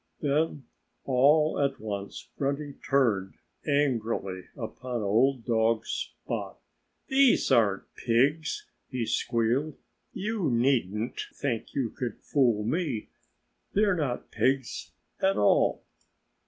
Then all at once Grunty turned angrily upon old dog Spot. "These aren't pigs!" he squealed. "You needn't think you can fool me. They're not pigs at all."